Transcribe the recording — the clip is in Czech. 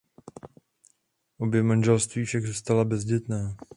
Obě manželství však zůstala bezdětná.